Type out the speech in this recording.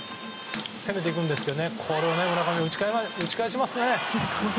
攻めていくんですけどね村上、これを打ち返しますね。